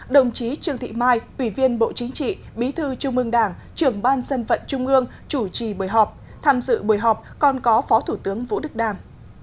đồng chí trương thị mai ủy viên bộ chính trị bí thư trung ương đảng trưởng ban dân vận trung ương chủ trì buổi họp tham dự buổi họp còn có phó thủ tướng vũ đức đàm